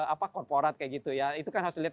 apa korporat kayak gitu ya itu kan harus dilihat